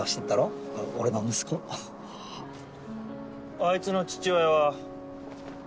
あいつの父親は。